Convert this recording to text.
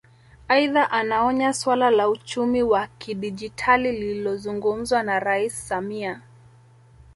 Aidha anaonya suala la uchumi wa kidigitali lililozungumzwa na Rais Samia